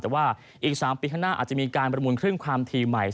แต่ว่าอีก๓ปีข้างหน้าอาจจะมีการประมูลครึ่งความทีใหม่